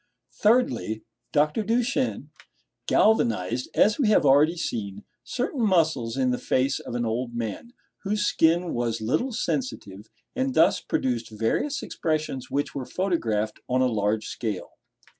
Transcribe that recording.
Thirdly Dr. Duchenne galvanized, as we have already seen, certain muscles in the face of an old man, whose skin was little sensitive, and thus produced various expressions which were photographed on a large scale.